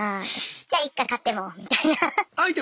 じゃあいっか買ってもみたいな。